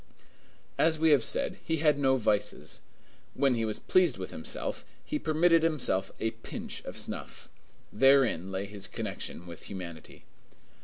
As we have said, he had no vices. When he was pleased with himself, he permitted himself a pinch of snuff. Therein lay his connection with humanity.